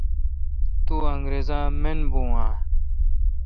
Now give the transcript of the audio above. تو انگرزا من بھو اؘ?۔